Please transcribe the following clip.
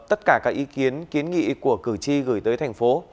tất cả các ý kiến kiến nghị của cử tri gửi tới thành phố